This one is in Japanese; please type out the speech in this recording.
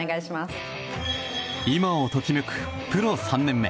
今を時めくプロ３年目